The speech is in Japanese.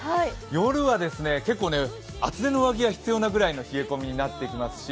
夜は結構厚手の上着が必要なぐらいになってきますし。